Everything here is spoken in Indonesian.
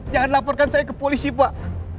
jangan laporkan saya ke polisi pak